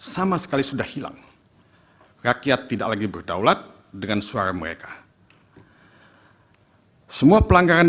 sama sekali sudah hilang rakyat tidak lagi berdaulat dengan suara mereka semua pelanggaran